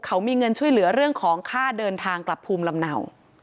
เขามีเงินช่วยเหลือเรื่องของค่าเดินทางกลับภูมิลำเนา